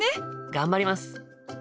頑張ります！